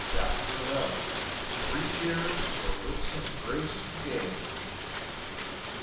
CHAPTER XI _Three Cheers for Lithesome Grace Regained!